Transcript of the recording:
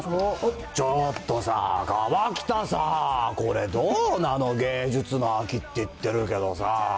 ちょっとさ、河北さーん、これ、どうなの、芸術の秋っていってるけどさ。